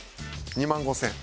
２万５０００円。